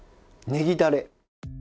ねぎだれ。